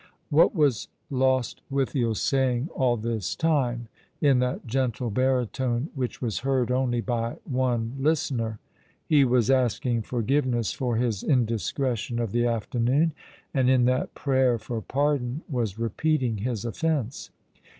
What was Lostwithiel saying all this time in that gentlo baritone, which was heard only by one listener? Ho was asking forgiveness for his indiscretion of tlie aftcrnoGn, and 70 All along the River, in that prayer for pardon was repeating his offence.